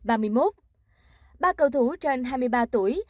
ba cầu thú trên hai mươi ba tuổi